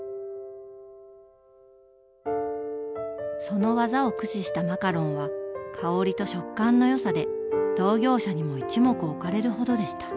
その技を駆使したマカロンは香りと食感の良さで同業者にも一目置かれるほどでした。